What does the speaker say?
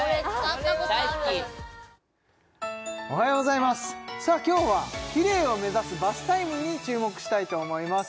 おはようございますさあ今日はキレイを目指すバスタイムに注目したいと思います